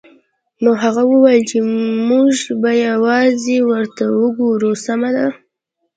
نو هغه وویل چې موږ به یوازې ورته وګورو سمه ده